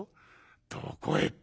どこへって？